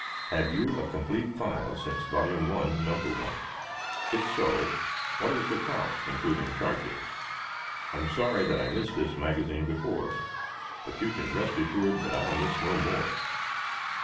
Have you a complete file since Vol. 1, No. 1? If so, what is the cost including charges? I'm sorry that I missed this magazine before, but you can rest assured that I'll miss no more.